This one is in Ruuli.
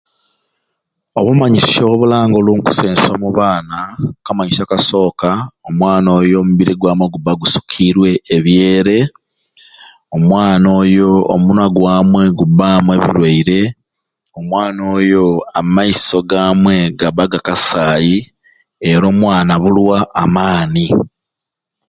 Obumanyisyo obulanga olunkusense obu baana akamanyisyo akasooka omwana oyo omubiri gwamwei guba gusukire ebyere omwana oyo omunwa gwamwei gubamu ebireire omwana oyo amaiso gamwei gaba gakasayi era omwana abulwa amaani